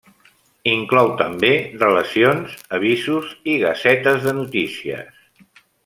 Inclou també relacions, avisos i gasetes de notícies.